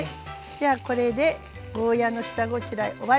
じゃあこれでゴーヤーの下ごしらえ終わり！